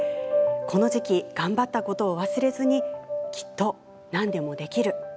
この時期頑張ったことを忘れずにきっと何でもできる。